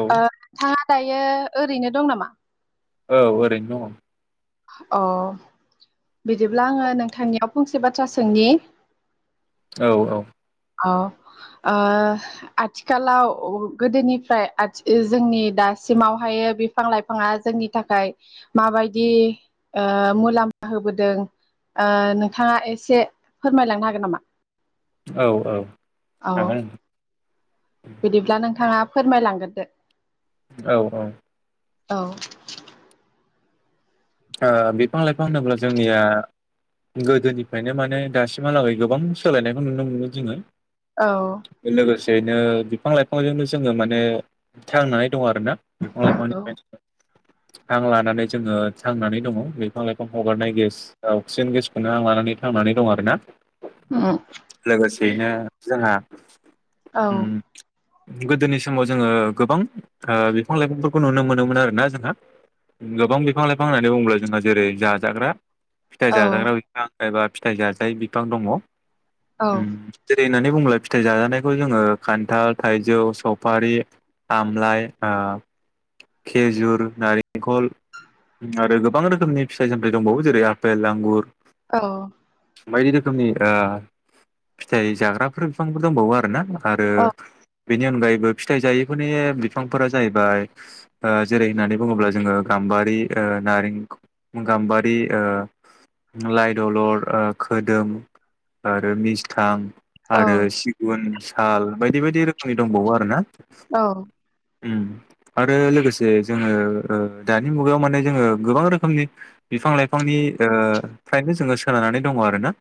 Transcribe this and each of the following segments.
औ ओ था। दायो ओरैनो दं नामा। औ ओरैनो दङ। अ बिदिब्ला आङो नोंथांनियाव फंसे बाथ्रा सोंनि। औ औ। औ ओ आथिखालाव गोदोनिफ्राय आथि जोंनि दासिमावहायो बिफां लाइफाङा जोंनि थाखाय माबायदि। ओ मुलाम्फा होबोदों ओ नोंथाङा एसे फोरमायलांनो हागोन नामा। औ औ। औ हागोन। बिदिब्ला नोंथाङा फोरमायलांगोरदो। औ औ। औ। ओ बिफां लाइफां होनोब्ला जोंनिया गोदोनिफ्रायनो माने दासिमहालागै गोबां सोलायनायखौ नुनो मोनो जोङो। औ। एनो बिफां लाइफांजोंनो जोङो माने थांनाय। दं आरोना बिफां औ लाइफांनिफ्राय। हां लानानै जोङो। थांनानै दङ बे। बिफां लाइफां हगारनाय गेस। अक्सिजेन गेसखौनो आं लानानै थांनानै दं आर ना। उम लोगोसेयैनो जोंहा। औ उम गोदोनि समाव जोङो गोबां ओ बिफां लाइफांफोरखौ नुनो मोनोमोन आरोना जोंहा गोबां बिफां लाइफां बिफां होननानै बुङोब्ला जोंहा जेरै जाजाग्रा फिथाइ औ जाग्रा बिफां एबा फिथाइ जथाय बिफां दङ औ नोनै बुंङोब्ला फिथाइ जाजानायखौ जोङो खान्थाल थाइजौ सफारि आमलाइ ओ खेजुर नारेंखल आरो गोबां रोखोमनि फिथाइ सामथाइ दंबावो जेरै आपेल आंगुर औ बायदि रोखोमनि ओ फिथाइ जाग्राफोर फिफांफोर दंबावो आरोना आरो औ बेनि अनगायैबो फिथाइ जायैफोरनि बिफांफोरा जाहैबाय ओ जेरै होननानै बुङोब्ला जोङो गाम्बारि ओ नारेंख गाम्बारि ओ लाइ दलर खोदोम आरो मिस्थाम आरो सिगुन साल बायदि बायदि रोख खै दंबावो आरोना औ उम आरो लोगोसे जोङो दानि मुगायाव माने जोङो गोबां रोखोमनि बिफां लाइफांनि ओ फ्रायनो जोङो सोनारनानै दङ आरोना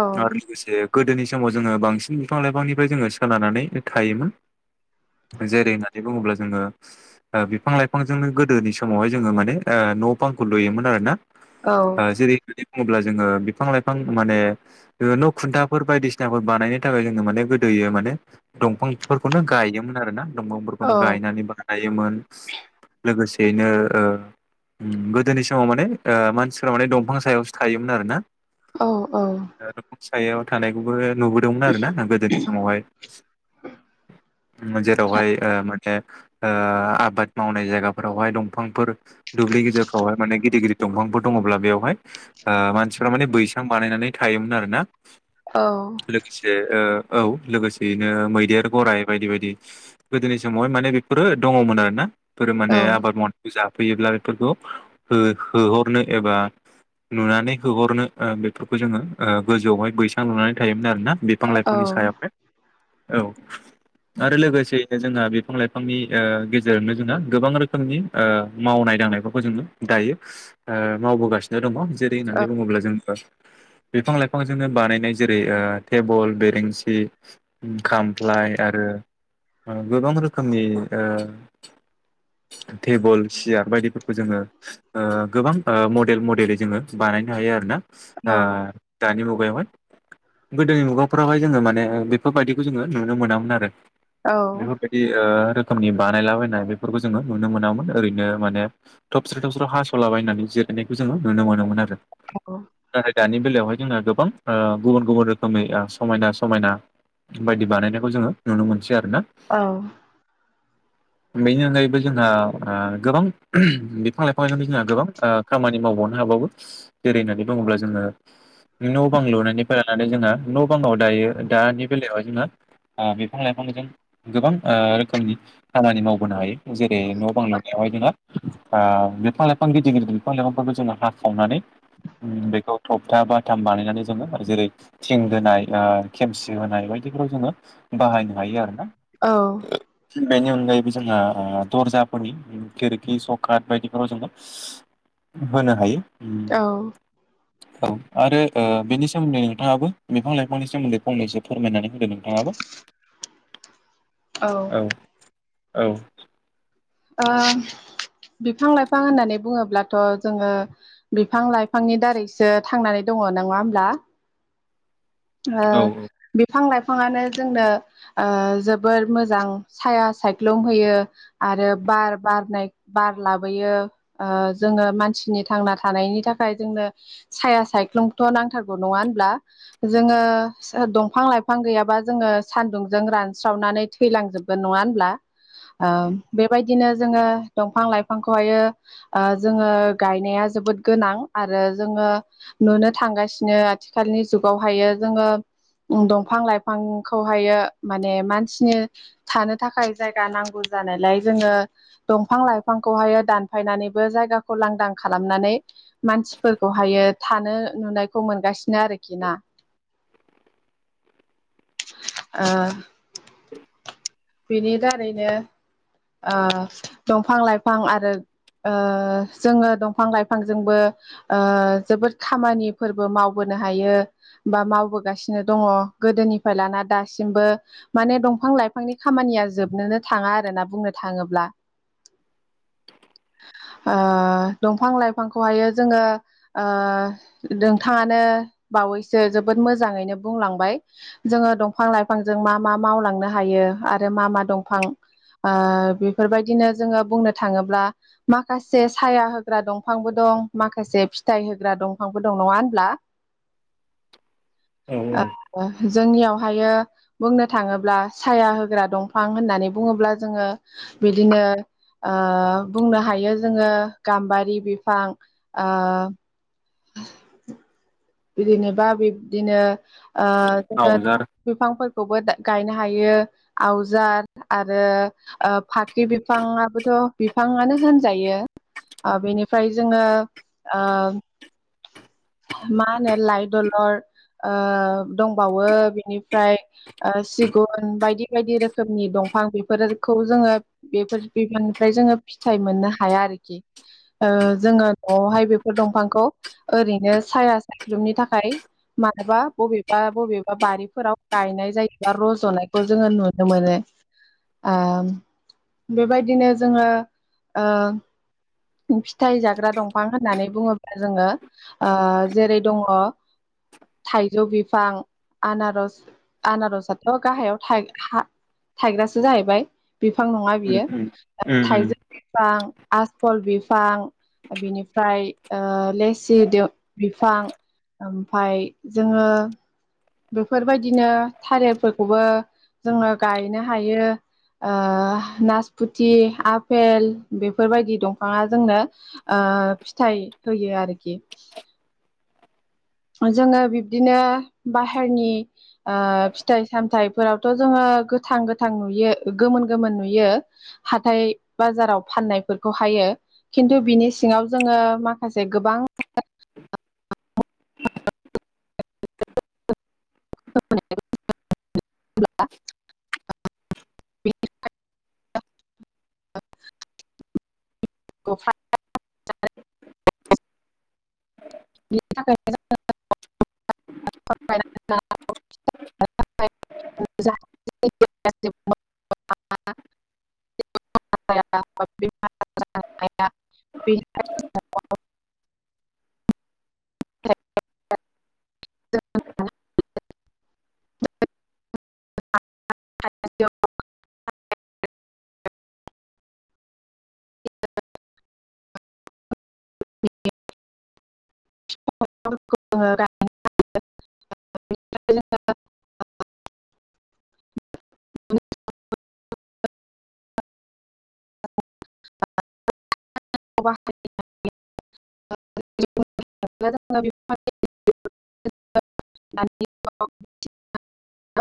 औ [unintelligible] गोदोनि समाव जोङो बांसिन बिफां लाइफांनिफ्राय जोङो सोनारानानै थायोमोन जेरै होननानै बुङोब्ला जोङो बिफां लाइफांजोंनो गोदोनि समावहाय जोङो माने ओ न'बांखौ लुयोमोन आरो ना औ ओ जेरै बुङोब्ला जोङो बिफां लाइफां माने ओ न' खुन्थाफोर बायदिसिनाफोर बानायनो थाखाय जोङो माने गोदोयो माने दमफां फोरखौनो गायोमोन आरो ना दमफांफोरखौनो गायनानै बानायोमोन लोगोसे बेनो ओ ओम गोदोनि समाव माने ओ मानसिफोरा माने दमफां सायावसो थायोमोन आरो ना औ औ सायाव थानायखौबो नुबोदोंमोन आरोना गोदोनि समावहाय म जेरावहाय ओ मो ओ ओ आबाद मावनाय जायगाफोरावहाय दंफांफोर दुब्लि गेजेरफ्रावहाय माने गिदि गिदिर दंफांफोर दङब्ला बेवहाय ओ मानसिफोरा माने बैस फ्राम बानायनानै थायोमोन आरोना औ लोगोसे ओ औ लोगोसेयैनो मैदेर गराइ बायदि बायदि गोदोनि समावहाय माने बेफोरो दङमोन आरोना। फोर औ माने आबाद मान बिजाब फैयोब्ला बेफोरखौ हो होहरनो एबा नुनानै होहरनो बेफोरखौ जोङो गोजौआवहाय बैसां लुनानै थायोमोन। ना आरोना बिफां औ -लाइफांनि सायावहाय औ आरो लोगोसेयै बे जोंहा बिफां -लाइफांनि ओ गेजेरनो जोंहा गोबां रोखोमनि ओ मावनाय दांनाय खौबो जोंनो दायो ओ मावबोगासिनो दङ' जेरै होननानै बुङोब्ला जों ओ [unintelligible] बिफां -लाइफांजोंनो बानायनाय जेरै ओ थेबल बेरेंसि उम खामफ्लाय आरो ओ गोबां रोखोमनि ओ थेबोल सियार बायदि फ खौ जोङो ओ गोबां ओ मडेल मडेलै जोङो बानायनो हायो आरो ना। [unintelligible] औ ओ दानि [unintelligible] मुगायावहाय गोदोनि मुगाफ्रावहाय जोङो माने बेफोरबायदिखौ जोङो नुनो मोनामोन आरो बेफोरबायदि ओ रो रोखोमनि बानायलाबायनाय बेफोरखौ जोङो नुनो मोनामोन ओरैनो माने थबस्र थबस्र' हास'लाबायनानै जिरायनायखौ जोङो नुनो मोनोमोन आरो नाथाय दानि बेलायावहाय जोंङो गोबां ओ गुबुन गुबुन रोखोमै ओ समायना समायना बायदि बानायनायखौ जोङो नुनो मोन सै आरोना बेनि अनगायैबो जोंहा ओ गोबां बिफां -लाइफांजों [unintelligible] गोबां ओ खामानि मावबावनो हाबावो जेरै होननानै बुङोब्ला जोङो न' बां लुनायनि पायाल मानो जोंहा न बाङाव दायो दानि बेलायावहाय जोंहा ओ बिफां -लाइफांखौ जों गोबां ओ रोखोमनि खामानि मावबोनो हायो जेरै न' बां लुनायावहाय जोंहा ओ बिफां- लाइफां गिदिर गिदिर बिफां- लाइफांफोरखौ जोङो हाखावनानै उम बेखौ थबथा बाथाम बानायनानै जोङो जेरै थिं दोनाय ओ खेमसि होनाय बायदिफोराव जोङो बाहायनो हायो आरो ना [unintelligible] बेनि अनगायैबो जोंहा ओ दर्जाफोरनि खिरखि सफा कार्ट बायदिफोराव जोङो [unintelligible] होनो हायो औ औ आरो ओ बेनि सोमोन्दै नोंथाङाबो बिफां- लाइफांनि सोमोन्दै फंनैसो फोरमायनानै होदो नोंथाङाबो औ औ ओ बिफां- लाइफां होननानै बुङोब्लाथ' जोङो बिफां लाइफांनि दारैसो थांनानै दङ' नङा होमब्ला? ओ औ बिफां लाइफ फाङानो जोंनो ओ जोबोर मोजां साया सायख्लुम होयो आरो बार बारनाय बार लाबोयो ओ जोङो मानसिनि थांना थानायनि थाखाय जोंनो साया सायख्लुमथ' नांथारगौ नङा होनब्ला? जोङो स ओ दंफां- लाइफां गैयाबा जोङो सानदुंजों रानस्रावनानै थैलांजोबगोन नङा होनब्लाओ बे बेबायदिनो जोङो दंफां लाइफांखौहायो ओ जोङो गायनाया जोबोद गोनां आरो जोङो नुनो थांगासिनो आथिखालनि जुगावहायो जोङो दंफां लाइफांखौहायो माने मानसिनि थानो थाखाय जायगा नांगौ जानायलाय जोङो दंफां लाइफांखौहायो दानफायनानैबो जायगाखौ लांदां खालामनानै मानसिफोरखौहायो थानो नुनायखौ मोनगासिनो आरोखि ना ओ बिनि दारैनो दंफां लाइफां आरो जोङो दंफां लाइफांजोंबो जोबोद खामानिफोरबो मावबोनो हायो बा मावबोगासिनो दङ गोदोनिफ्राय लाना दासिमबो माने दंफां लाइफांनि खामानिया जोबनोनो थाङा आरोना बुंनो थाङोब्ला ओ दंफां लाइफांखौहायो जोङो नोंथाङानो बावैसो जोबोद मोजाङैनो बुंलांबाय जोङो दंफां लाइफांजों मा मा मावलांनो हायो आरो मा मा दंफां ओ ओ बेफोरबायदिनो जोङो बुंनो थाङोब्ला माखासे साया होग्रा दंफांबो दं माखासे फिथाइ होग्रा दंफांबो दं नङा होनब्ला? औ आ औ जोंनियावहायो बुंनो थाङोब्ला साया होग्रा दंफां होननानै बुङोब्ला जोङो बिदिनो ओ बुंनो हायो जोङो गाम्बारि बिफां ओ [inaudible] बिदिनोबा बिब्दिनो ओ जोङो आवजार बिफांफोरखौबो गायनो हायो आवजार आरो ओ फाख्रि बिफाङाबोथ' बिफाङनो होनजायो ओ बेनिफ्राय जोङो ओ मा होनो लाइ दलर ओ दंबावो बेनिफ्राय ओ सिगुन बायदि बायदि रोखोमनि दंफां बेफोरखौ जोङो बेफोर बिबाननिफ्राय जोङो फिथाइ मोननो हाया आरोखि ओ जोङो न'आवहाय बेफोर दंफांखौ ओरैनो साया सायाख्लुमनि थाखाय माबबा बबेबा बबेबा बारिफोराव गायनाय जायोबा रज'नायखौ जोङो नुनो मोनो ओ बेबायदिनो जोङो ओ फिथाइ जाग्रा दंफां होननानै बुङोब्ला जोङो ओ जेरै दङ थाइजौ बिफां आनारस आनारसथ' गाहायाव थाइग्रासो जाहैबाय बिफां नङा उम बियो उम उम थाइजौ बिफां फल बिफां बिनिफ्राय ओ लेस्सि बिफां ओमफाय जोङो बेफोरबायदिनो थालिरफोरखौबो जोङो गायनो हायो ओ नासपुथि आफपेल बेफोरबायदि दंफाङा जोंनो ओ फिथाइ होयो आरोखि जोङो बिब्दिनो बाहेरनि ओ फिथाइ सामथाइफोरावथ' जोङो गोथां गोथां नुयो गोमोन गोमोन नुयो हाथाय बाजाराव फाननायफोरखौहायो खिन्थु बिनि सिङाव जोङो माखासे गोबां [unintelligible] [unintelligible] बेनि थाखाय [unintelligible] [unintelligible] [unintelligible] [unintelligible]